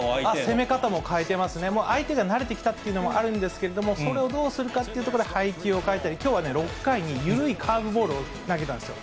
攻め方も変えてますね、相手が慣れてきたというのもあるんですけれども、それをどうするかっていうところで、配球を変えたり、きょうは６回に、緩いカーブボールを投げたんですよ。